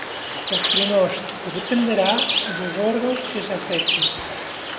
O prognóstico dependerá dos órganos que se afecten.